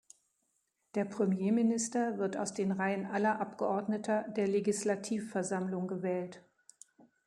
Der Premierminister wird aus den Reihen aller Abgeordneter der Legislativversammlung gewählt.